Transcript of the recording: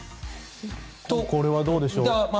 これはどうでしょう。